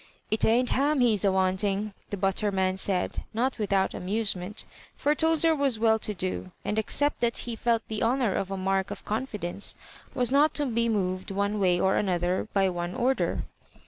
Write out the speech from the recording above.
"It ain't ham he's ^wanting," the butterman said, not without amusement ; for Tozer was well to do, and, ex cept that he felt the honour of a mark of confi dence, was not to be moved one way or another by one order.